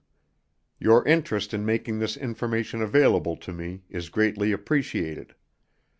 Your interest in making this information available to me is greatly appreciated.